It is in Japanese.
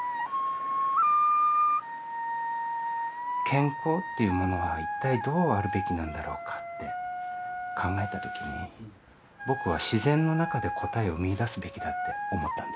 健康っていうものは一体どうあるべきなんだろうかって考えた時に僕は自然の中で答えを見いだすべきだって思ったんです。